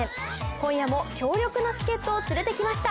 今夜も強力な助っ人を連れてきました！